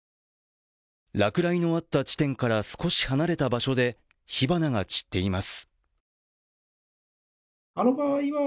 落雷のあった地点から少し離れた場所で火花が散っています。